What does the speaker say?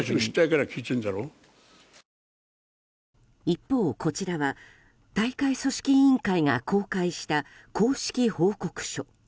一方、こちらは大会組織委員会が公開した公式報告書。